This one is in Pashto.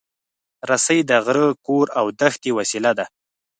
رسۍ د غره، کور، او دښتې وسیله ده.